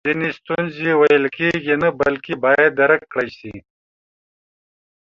ځینې ستونزی ویل کیږي نه بلکې باید درک کړل سي